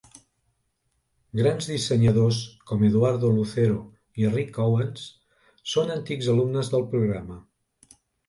Grans dissenyadors com Eduardo Lucero i Rick Owens són antics alumnes del programa.